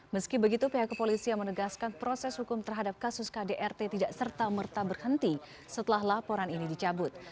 meski begitu pihak kepolisian menegaskan proses hukum terhadap kasus kdrt tidak serta merta berhenti setelah laporan ini dicabut